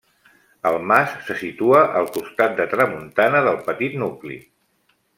El mas se situa al costat de tramuntana del petit nucli.